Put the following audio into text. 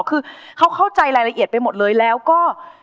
คือเขาเข้าใจรายละเอียดไปหมดเลยแล้วก็